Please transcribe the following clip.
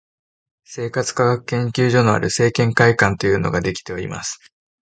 生活科学研究所のある生研会館というのができております